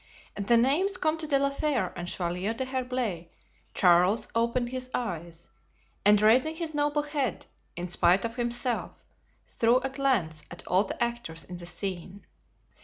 At the names Comte de la Fere and Chevalier d'Herblay, Charles opened his eyes, and raising his noble head, in spite of himself, threw a glance at all the actors in the scene.